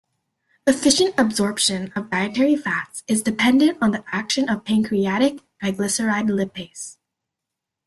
Efficient absorption of dietary fats is dependent on the action of pancreatic triglyceride lipase.